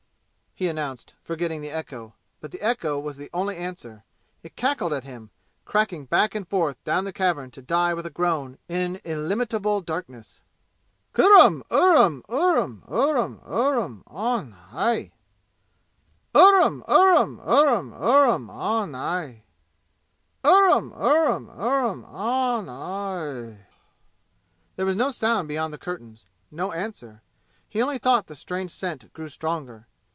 he announced, forgetting the echo. But the echo was the only answer. It cackled at him, cracking back and forth down the cavern to die with a groan in illimitable darkness. "Kurram urram urram urram urram ahn hai! Urram urram urram urram ahn hai! Urram urram urram ah hh ough ah!" There was no sound beyond the curtains. No answer. Only he thought the strange scent grew stronger.